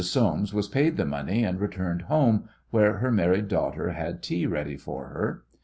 Soames was paid the money and returned home, where her married daughter had tea ready for her.